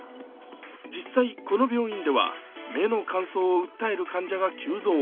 実際、この病院では目の乾燥を訴える患者が急増。